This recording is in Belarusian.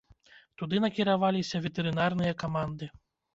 Туды накіраваліся ветэрынарныя каманды.